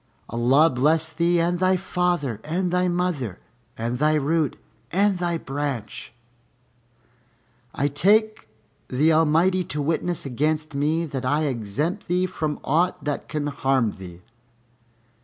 Allah bless thee and thy father and thy mother and thy root and thy branch! I take the Almighty to witness against me that I exempt thee from aught that can harm thee."